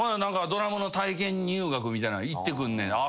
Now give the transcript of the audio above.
「ドラムの体験入学みたいなの行ってくんねん」